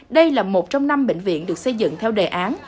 đây là một trong năm bệnh viện được xây dựng theo đề án